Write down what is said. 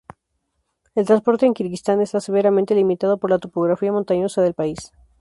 El transporte en Kirguistán está severamente limitado por la topografía montañosa del país.